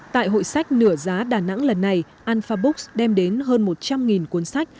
tại hội sách nửa giá đà nẵng lần này alfa books đem đến hơn một trăm linh cuốn sách